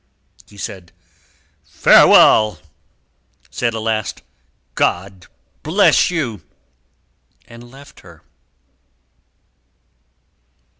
He said, "Farewell!" said a last "God bless you!" and left her.